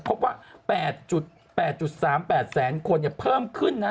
พบว่า๘๓แสนคนเนี่ยเพิ่มขึ้นนะ